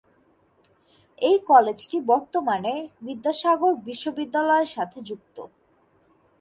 এই কলেজটি বর্তমানে বিদ্যাসাগর বিশ্ববিদ্যালয়ের সাথে যুক্ত।